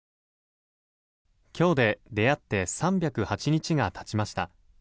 今日で出会って３０８日が経ちました。